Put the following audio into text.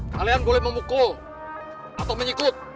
kalian boleh memukul atau mengikut